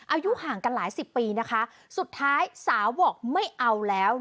อายุห่างกันหลายสิบปีนะคะสุดท้ายสาวบอกไม่เอาแล้ว